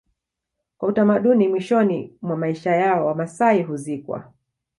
Kwa utamaduni mwishoni mwa maisha yao Wamasai huzikwa